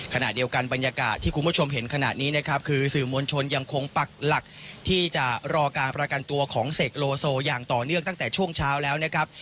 ขณะเดียวกันบรรยากาศที่คุณผู้ชมเห็นขณะนี้นะครับคือสื่อมวลชนยังคงปักหลักที่จะรอการประกันตัวของเสกโลโซอย่างต่อเนื่องตั้งแต่ช่วงเช้าแล้วนะครับ